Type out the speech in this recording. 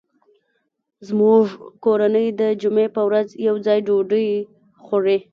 زموږ کورنۍ د جمعې په ورځ یو ځای ډوډۍ خوري